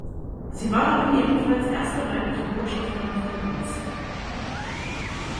Sie war damit ebenfalls erste weibliche Botschafterin Finnlands.